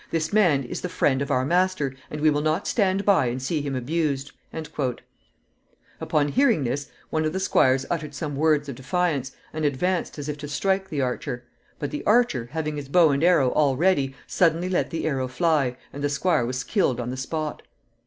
This man is the friend of our master, and we will not stand by and see him abused." Upon hearing this, one of the squires uttered some words of defiance, and advanced as if to strike the archer; but the archer, having his bow and arrow all ready, suddenly let the arrow fly, and the squire was killed on the spot.